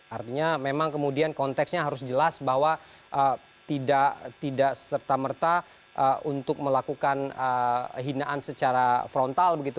artinya memang kemudian konteksnya harus jelas bahwa tidak serta merta untuk melakukan hinaan secara frontal begitu